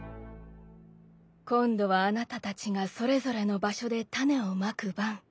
今度はあなたたちがそれぞれの場所で種をまく番。